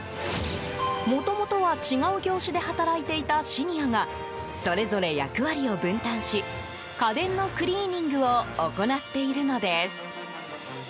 もともとは違う業種で働いていたシニアがそれぞれ役割を分担し家電のクリーニングを行っているのです。